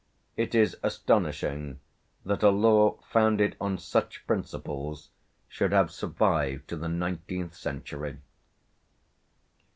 It is astonishing that a law founded on such principles should have survived to the nineteenth century."